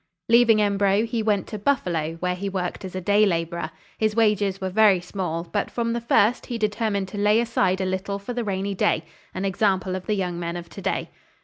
Leaving Embro, he went to Buffalo, where he worked as a day laborer. His wages were very small, but from the first he determined to lay aside a little for the rainy day—an example to the young men of to day.